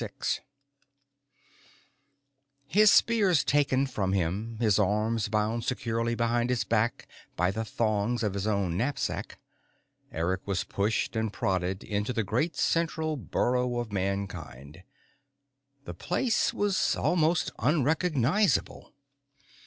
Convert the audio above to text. VII His spears taken from him, his arms bound securely behind his back by the thongs of his own knapsack, Eric was pushed and prodded into the great central burrow of Mankind. The place was almost unrecognizable.